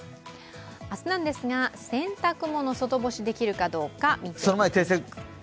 明日なんですが、洗濯物、外干しできるかどうか。